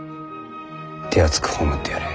手厚く葬ってやれ。